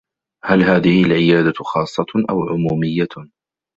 هل هذه العيادة خاصّة أو عموميّة؟